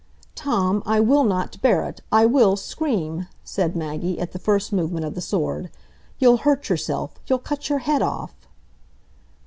"Tom, I will not bear it, I will scream," said Maggie, at the first movement of the sword. "You'll hurt yourself; you'll cut your head off!"